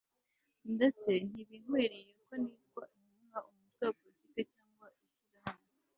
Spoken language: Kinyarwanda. ndetse ntibinkwiriye ko nitwa intumwa Umutwe wa politiki cyangwa ishyirahamwe